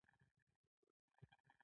پسرلی – د ژوند، خوښۍ او بدلون موسم